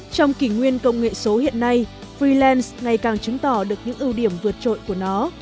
trong kỷ nguyên công nghệ số hiện nay freeland ngày càng chứng tỏ được những ưu điểm vượt trội của nó